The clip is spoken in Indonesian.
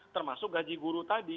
termasuk gaji guru tadi